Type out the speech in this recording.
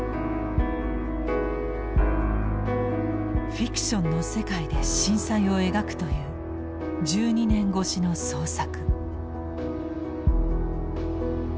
フィクションの世界で震災を描くという１２年越しの創作。